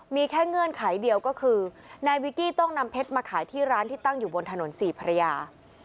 มีแค่เงื่อนไขเดียวก็คือนายวิกี้ต้องนำเพชรมาขายที่ร้านที่ตั้งอยู่บนถนนสี่ภรรยา